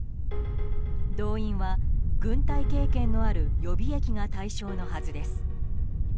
動員は軍隊経験のある予備役が対象のはずです。